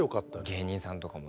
芸人さんとかもね。